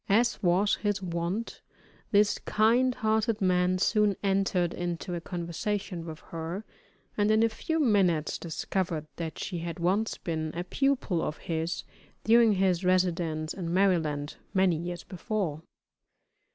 As was his wont, this kind hearted man soon entered into a conversation with her, and in a few minutes discovered that she had once been a pupil of his during his residence in Maryland many years before.